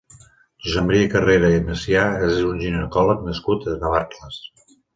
Josep Maria Carrera i Macià és un ginecòleg nascut a Navarcles.